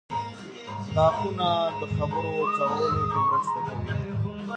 • غاښونه د خبرو کولو کې مرسته کوي.